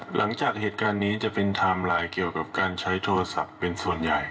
หลังจากเหตุการณ์นี้จะเป็นไทม์ไลน์เกี่ยวกับการใช้โทรศัพท์เป็นส่วนใหญ่